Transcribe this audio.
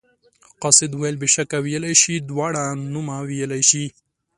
قاصد وویل بېشکه ویلی شي دواړه نومه ویلی شي.